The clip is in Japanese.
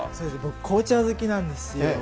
僕、紅茶好きなんですよ。